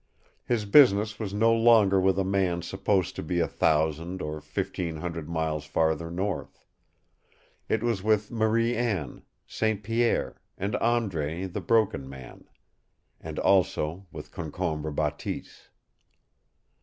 His business was no longer with a man supposed to be a thousand or fifteen hundred miles farther north. It was with Marie Anne, St. Pierre, and Andre, the Broken Man. And also with Concombre Bateese.